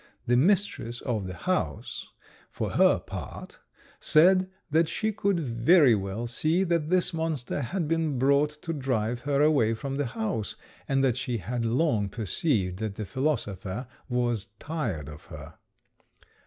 The mistress of the house, for her part, said that she could very well see that this monster had been brought to drive her away from the house, and that she had long perceived that the philosopher was tired of her.